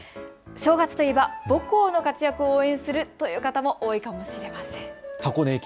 正月といえば母校の活躍を応援するという方も多いかもしれません。